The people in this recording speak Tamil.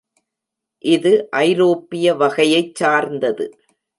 இது ஐரோப்பிய வகையைச் சார்ந்தது.